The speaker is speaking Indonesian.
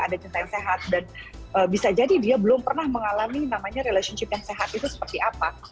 ada cinta yang sehat dan bisa jadi dia belum pernah mengalami namanya relationship yang sehat itu seperti apa